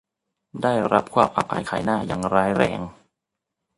ได้รับความอับอายขายหน้าอย่างร้ายแรง